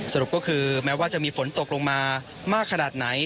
สรุปก็คือแม้ว่าจะมีฝนตกลงมามากขนาดไหน